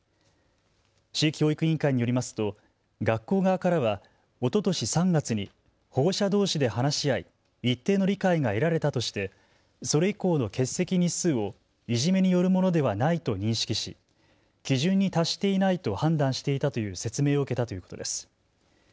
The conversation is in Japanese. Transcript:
市教育委員会によりますと学校側からはおととし３月に保護者どうしで話し合い一定の理解が得られたとしてそれ以降の欠席日数をいじめによるものではないと認識し基準に達していないと判断していたという説明を受けたということです。